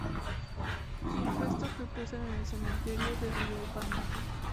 Sus restos reposan en el cementerio de Riobamba.